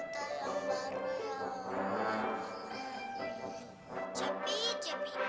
kau yang ngapain